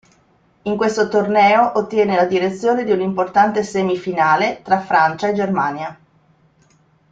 In questo torneo ottiene la direzione di un'importante semifinale, tra Francia e Germania.